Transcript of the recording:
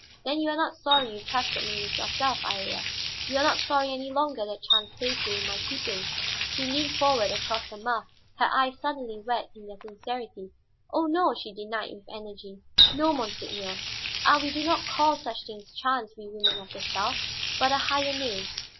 "Then you are not sorry that you trusted me with yourself, Iría? You are not sorry any longer that chance placed you in my keeping?" She leaned forward across the muff, her eyes suddenly wet in their sincerity. "Oh, no," she denied with energy. "No, monseigneur. Ah, we do not call such things chance, we women of the South, but a higher name!